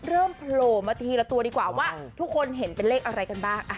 โผล่มาทีละตัวดีกว่าว่าทุกคนเห็นเป็นเลขอะไรกันบ้าง